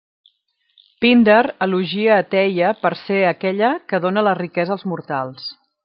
Píndar elogia a Teia per ser aquella que dóna la riquesa als mortals.